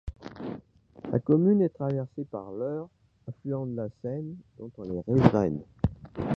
La commune est traversée par l'Eure, affluent de la Seine, dont elle est riveraine.